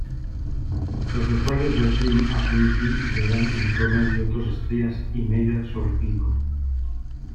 Los usuarios de FilmAffinity le dan en promedio dos estrellas y media sobre cinco.